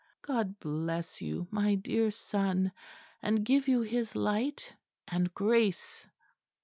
God bless you, my dear son, and give you His light and grace."